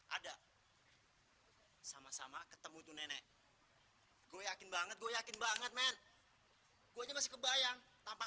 ada sama sama ketemu tuh nenek gua yakin banget gua yakin banget men gua masih kebayang tampak